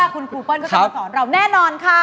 คุณครูเปิ้ลก็จะมาสอนเราแน่นอนค่ะ